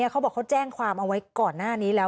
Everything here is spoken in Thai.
เขาบอกเขาแจ้งความเอาไว้ก่อนหน้านี้แล้ว